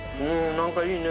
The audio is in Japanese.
何かいいね。